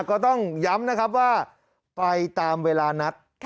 ก็ต้องย้ำนะครับว่าไปตามเวลานัด